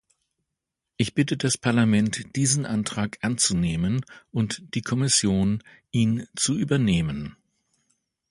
Ich bitte das Parlament, diesen Antrag anzunehmen und die Kommission, ihn zu übernehmen.